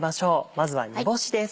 まずは煮干しです。